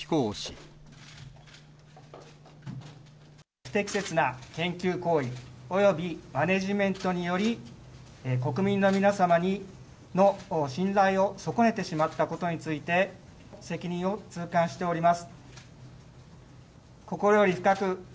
不適切な研究行為、およびマネジメントにより、国民の皆様の信頼を損ねてしまったことについて、責任を痛感しております。